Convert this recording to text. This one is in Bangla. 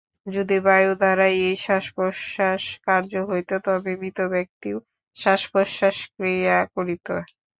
যদি বায়ু দ্বারাই এই শ্বাসপ্রশ্বাস-কার্য হইত, তবে মৃত ব্যক্তিও শ্বাসপ্রশ্বাস-ক্রিয়া করিত।